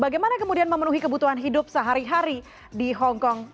bagaimana kemudian memenuhi kebutuhan hidup sehari hari di hongkong